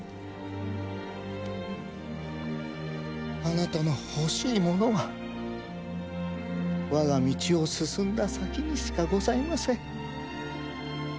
あなたの欲しいものは我が道を進んだ先にしかございません。